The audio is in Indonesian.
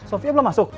sofia belum masuk